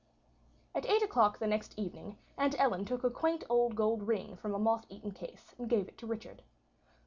At eight o'clock the next evening Aunt Ellen took a quaint old gold ring from a moth eaten case and gave it to Richard.